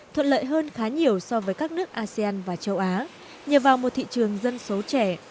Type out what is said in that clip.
thuận lợi hơn khá nhiều so với các nước asean và châu á nhờ vào một thị trường dân số trẻ